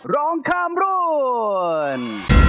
ร้องข้ามรุ่น